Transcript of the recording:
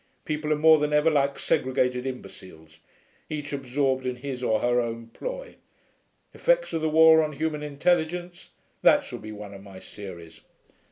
People are more than ever like segregated imbeciles, each absorbed in his or her own ploy. Effects of the War on Human Intelligence: that shall be one of my series.